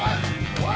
おい！